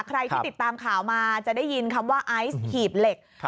ใครที่ติดตามข่าวมาจะได้ยินคำว่าไอซ์หีบเหล็ก